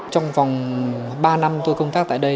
trong vòng ba năm tôi công tác tại đây